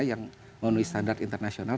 yang memenuhi standar internasional